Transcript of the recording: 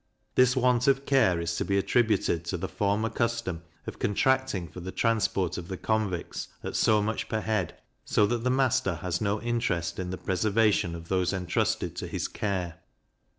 This want of care is to be attributed to the former custom of contracting for the transport of the convicts at so much per head, so that the master has no interest in the preservation of those entrusted to his care.